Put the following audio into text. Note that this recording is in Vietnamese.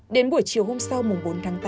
đến buổi chiều hôm sau mùng bốn tháng tám